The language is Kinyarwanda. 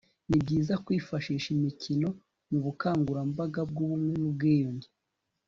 ni byiza kwifashisha imikino mu bukangurambaga bw'ubumwe n'ubwiyunge